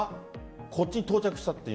こっちに到着したという。